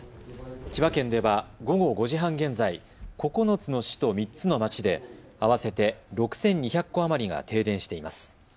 千葉県では午後５時半現在、９つの市と３つの町で合わせて６２００戸余りが停電しています。